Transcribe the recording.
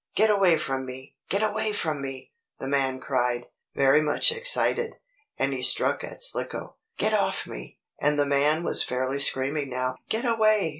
"Get away from me! Get away from me!" the man cried, very much excited, and he struck at Slicko. "Get off me!" and the man was fairly screaming now. "Get away!